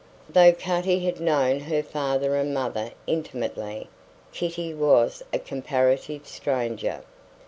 Though Cutty had known her father and mother intimately, Kitty was a comparative stranger.